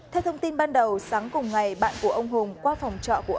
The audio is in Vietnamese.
theo thông tin ban đầu sáng cùng ngày bạn của ông hùng qua phòng trọ của ông